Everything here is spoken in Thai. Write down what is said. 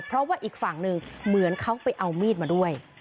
เพราะว่าอีกฝั่งหนึ่งเหมือนเขาไปเอามีดมาด้วย